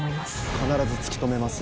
必ず突き止めます。